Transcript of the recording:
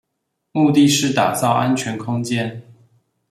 目的是打造安全空間